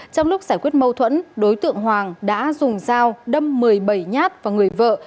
trong lúc giải quyết mâu thuẫn đối tượng hoàng đã dùng dao đâm một mươi bảy nhát vào người vợ